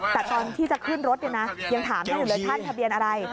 แต่ตอนที่จะขึ้นรถยังถามไม่ได้เห็นเลยท่านทะเบียนอะไร